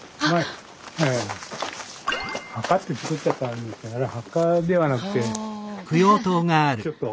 墓って作っちゃったんですがあれは墓ではなくてちょっと。